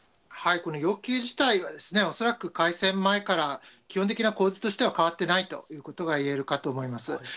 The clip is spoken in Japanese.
この要求自体は、恐らく、開戦前から、基本的な構図としては変わってないということがいえるかと思います。